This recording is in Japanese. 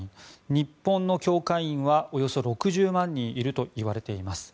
日本の教会員は、およそ６０万人いるといわれています。